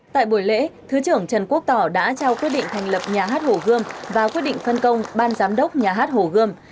tại buổi lễ thứ trưởng trần quốc tỏ đã trao quyết định thành lập nhà hát hồ gươm và quyết định phân công ban giám đốc nhà hát hồ gươm